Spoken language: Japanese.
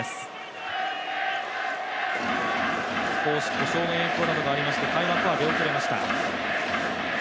故障の影響がありまして、開幕は出遅れました。